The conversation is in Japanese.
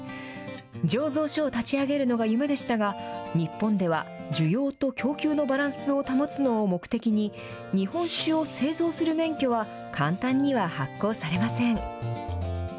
醸造所を立ち上げるのが夢でしたが、日本では需要と供給のバランスを保つのを目的に、日本酒を製造する免許は、簡単には発行されません。